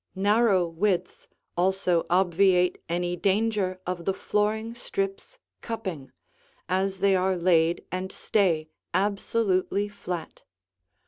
Narrow widths also obviate any danger of the flooring strips cupping, as they are laid and stay absolutely flat.